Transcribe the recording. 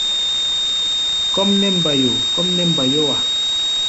Kɔ́ʼm nɛ́ mbayo! kɔ́ʼm nɛ́ mbayó-a.